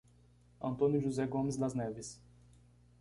Antônio José Gomes Das Neves